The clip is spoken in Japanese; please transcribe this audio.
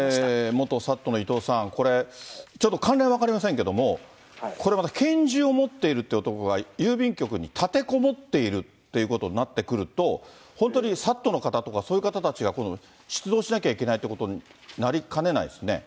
元ＳＡＴの伊藤さん、これ、ちょっと関連は分かりませんけども、これまた拳銃を持っているって男が郵便局に立てこもっているっていうことになってくると、本当にＳＡＴの方とか、そういう方たちが、出動しなきゃいけないっていうことになりかねないですね。